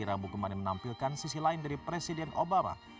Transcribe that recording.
rabu kemarin menampilkan sisi lain dari presiden obama